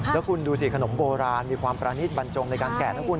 แล้วคุณดูสิขนมโบราณมีความประณิตบรรจงในการแก่นะคุณ